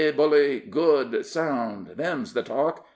"Bully!" "Good!" "Sound!" "Them's the talk!"